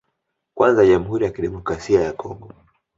Kwanza Jamhuri ya Kidemokrasia ya Congo